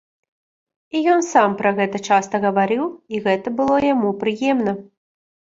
І ён сам пра гэта часта гаварыў, і гэта было яму прыемна.